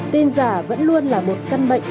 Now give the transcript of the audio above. tin giả vẫn luôn là một căn bệnh